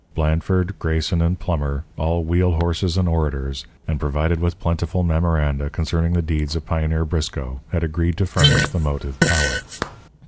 Blandford, Grayson, and Plummer, all wheel horses and orators, and provided with plentiful memoranda concerning the deeds of pioneer Briscoe, had agreed to furnish the motive power.